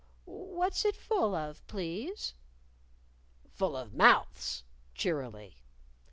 What's it full of, please?" "Full of mouths," cheerily.